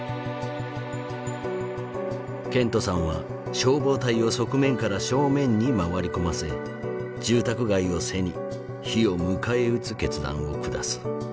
ケントさんは消防隊を側面から正面に回り込ませ住宅街を背に火を迎え撃つ決断を下す。